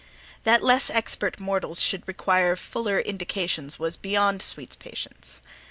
That less expert mortals should require fuller indications was beyond Sweet's patience.